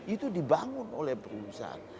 itu dibangun oleh perusahaan